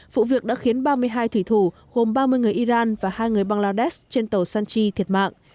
vụ việc đã khiến ba mươi hai thủy thủ gồm ba mươi người iran và hai người bangladesh trên tàu sanchi thiệt mạng